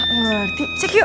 gak ngerti cek yuk